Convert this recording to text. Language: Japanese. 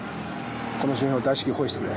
この周辺を大至急包囲してくれ。